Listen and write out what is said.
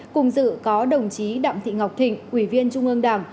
cùng dự có đồng chí đặng thị ngọc thịnh ủy viên trung ương đảng